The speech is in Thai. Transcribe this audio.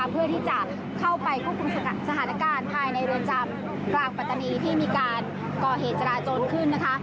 เพื่อที่จะเข้าไปควบคุมสถานการณ์ภายในเรือนจำกลางปัตตานีที่มีการก่อเหตุจราจนขึ้นนะคะ